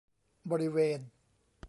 บริเวณ